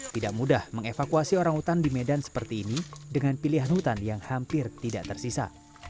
tidak mudah mengevakuasi orang hutan di medan seperti ini dengan pilihan hutan yang hampir tidak tersisa